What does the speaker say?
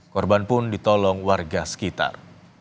korban pun ditolong warga sekitar